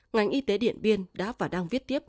ngành y tế điện biên đã và đang viết tiếp